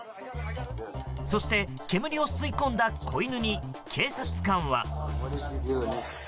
そして、煙を吸い込んだ子犬に警察官は。